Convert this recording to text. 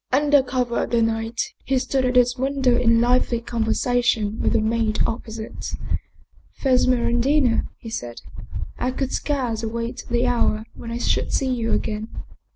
Un der cover of the night, he stood at his window in lively conversation with the maid opposite. " Fair Smeraldina," he said, " I could scarce await the Paul Heyse hour when I should see you again.